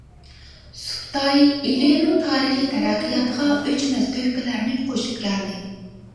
سۇپتاي ئىلىنىڭ تارىخى تەرەققىياتىغا ئۆچمەس تۆھپىلەرنى قوشۇپ كەلدى.